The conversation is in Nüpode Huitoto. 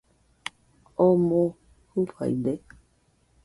¿Oo moo jɨfaide?